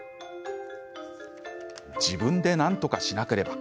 自分でなんとかしなければ。